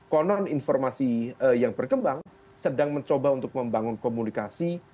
konon informasi yang berkembang sedang mencoba untuk membangun komunikasi